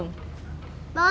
tahunya udah tuh